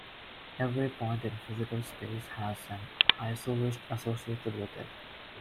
Every point in physical space has an isovist associated with it.